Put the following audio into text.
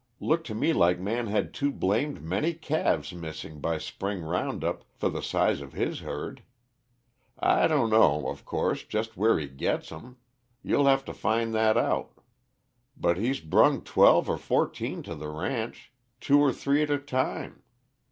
Looked to me like Man had too blamed many calves missed by spring round up for the size of his herd. I dunno, of course, jest where he gits 'em you'll have to find that out. But he's brung twelve er fourteen to the ranch, two er three at a time.